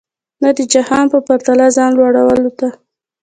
نه د جهان په پرتله ځان لوړولو ته.